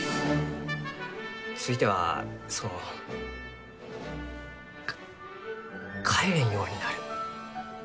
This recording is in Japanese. ついてはそのか帰れんようになる。